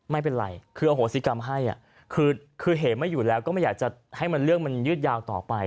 ไม่เป็นไรคืออโหสิกรรมให้คือเหมไม่อยู่แล้วก็ไม่อยากจะให้เรื่องมันยืดยาวต่อไป